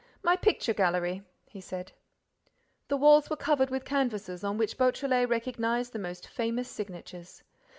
"My picture gallery," he said. The walls were covered with canvases on which Beautrelet recognized the most famous signatures.